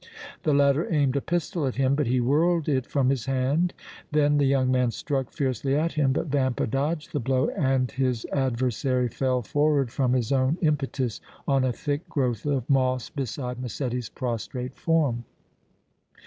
The latter aimed a pistol at him, but he whirled it from his hand. Then the young man struck fiercely at him, but Vampa dodged the blow and his adversary fell forward from his own impetus on a thick growth of moss beside Massetti's prostrate form.